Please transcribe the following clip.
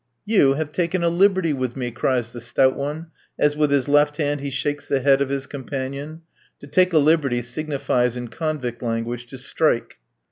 "You have taken a liberty with me," cries the stout one, as with his left hand he shakes the head of his companion. To take a liberty signifies, in convict language, to strike.